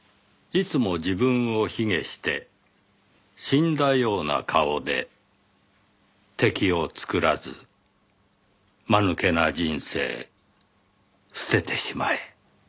「いつも自分を卑下して死んだような顔で敵を作らずまぬけな人生捨ててしまえ」